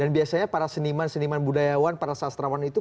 dan biasanya para seniman seniman budayawan para sastrawan itu